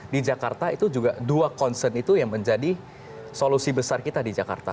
di jakarta itu juga dua concern itu yang menjadi solusi besar kita di jakarta